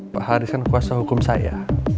pak haris kan kuasa hukum saya